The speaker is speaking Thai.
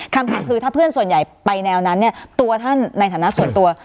คำถามคือถ้าเพื่อนส่วนใหญ่ไปแนวนั้นเนี่ยตัวท่านในฐานะส่วนตัว